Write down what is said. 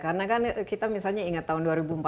karena kan kita misalnya ingat tahun dua ribu empat belas